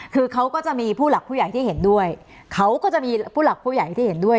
คือเขาก็จะมีผู้หลักผู้ใหญ่ที่เห็นด้วยเขาก็จะมีผู้หลักผู้ใหญ่ที่เห็นด้วย